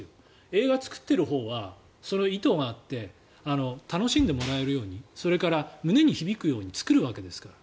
映画作っているほうはそれは意図があって楽しんでもらえるようにそれから、胸に響くように作るわけですから。